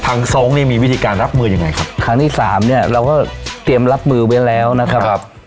ทรงนี่มีวิธีการรับมือยังไงครับครั้งที่สามเนี้ยเราก็เตรียมรับมือไว้แล้วนะครับ